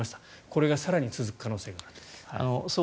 これが更に続く可能性があると。